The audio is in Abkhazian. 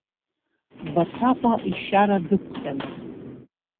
Баҭаҟәа ишьара дықәҟьаны.